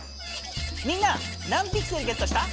みんな何ピクセルゲットした？